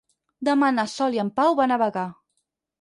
Demà na Sol i en Pau van a Bagà.